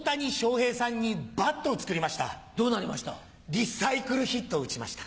リサイクルヒットを打ちました。